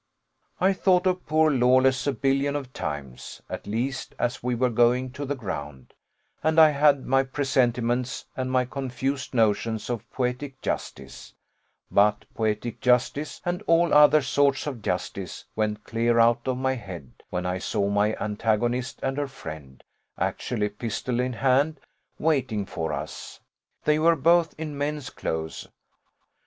I thought of poor Lawless a billion of times, at least, as we were going to the ground; and I had my presentiments, and my confused notions of poetic justice: but poetic justice, and all other sorts of justice, went clear out of my head, when I saw my antagonist and her friend, actually pistol in hand, waiting for us; they were both in men's clothes.